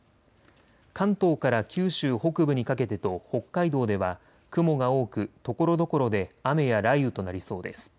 関東から九州北部にかけてと北海道では雲が多くところどころで雨や雷雨となりそうです。